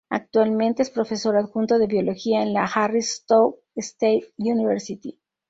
Actualmente, es profesor adjunto de biología en la Harris-Stowe State University.